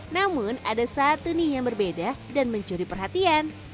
namun ada satu nih yang berbeda dan mencuri perhatian